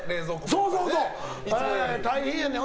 そうそうそう、大変やねん。